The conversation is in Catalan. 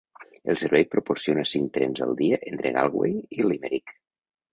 El servei proporciona cinc trens al dia entre Galway i Limerick.